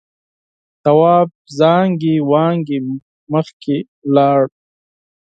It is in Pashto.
تواب زانگې وانگې مخکې لاړ.